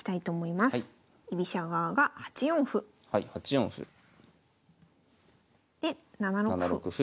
８四歩。で７六歩。